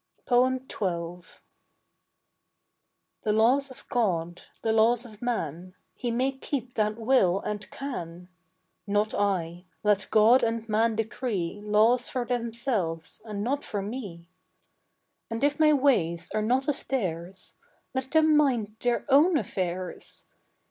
XII. The laws of God, the laws of man, He may keep that will and can; Not I: let God and man decree Laws for themselves and not for me; And if my ways are not as theirs Let them mind their own affairs.